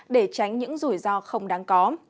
để tránh những rủi ro không đáng có